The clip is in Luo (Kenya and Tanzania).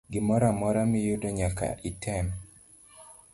Gimoro amora miyudo nyaka item.